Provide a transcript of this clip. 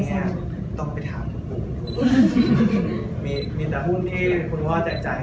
แต่ก็ต้องทำครับถ้าจะจ่ายเยอะ